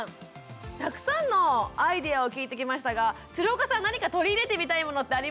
たくさんのアイデアを聞いてきましたが鶴岡さん何か取り入れてみたいものってありましたか？